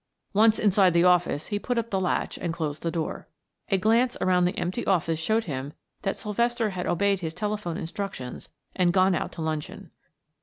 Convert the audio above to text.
Once inside the office he put up the latch and closed the door. A glance around the empty office showed him that Sylvester had obeyed his telephone instructions and gone out to luncheon.